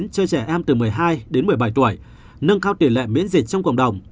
cho trẻ em từ một mươi hai đến một mươi bảy tuổi nâng cao tỷ lệ miễn dịch trong cộng đồng